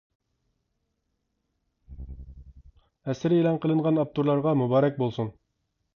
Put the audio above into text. ئەسىرى ئېلان قىلىنغان ئاپتورلارغا مۇبارەك بولسۇن!